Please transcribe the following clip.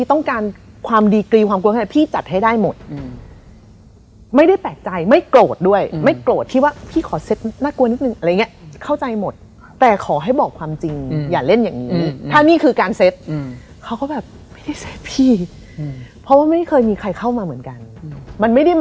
ถ้าแม่แบบว่าถ้าแม่ไม่พอใจแม่แม่แฮปปี้